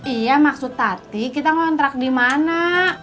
iya maksud tadi kita kontrak di mana